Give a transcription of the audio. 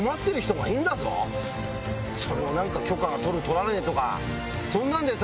それを許可を取る取らねえとかそんなんでさ。